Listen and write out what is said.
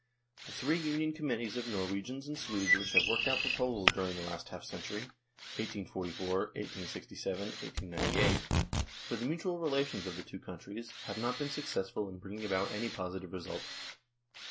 The three Union Committees of Norwe gians and Swedes which have worked out proposals during the last half century 1844, 1867, 1898 for 90 NORWAY AND THE UNION WITH SWEDEN the mutual relations of the two countries, have not been successful in bringing about any positive result."